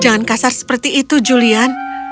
jangan kasar seperti itu julian